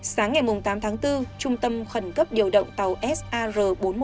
sáng ngày tám tháng bốn trung tâm khẩn cấp điều động tàu sar bốn trăm một mươi